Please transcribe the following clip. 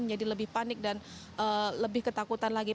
menjadi lebih panik dan lebih ketakutan lagi